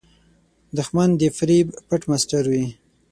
دښمن د فریب پټ ماسټر وي